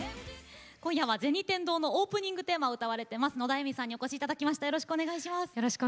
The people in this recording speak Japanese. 今夜は「銭天堂」のオープニングテーマを歌われている野田愛実さんにお越しいただきました。